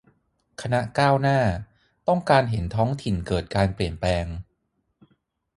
คณะก้าวหน้า ต้องการเห็นท้องถิ่นเกิดการเปลี่ยนแปลง